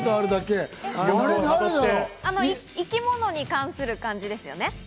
生き物に関する感じですよね。